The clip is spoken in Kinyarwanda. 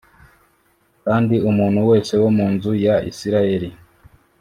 kandi umuntu wese wo mu nzu ya isirayeli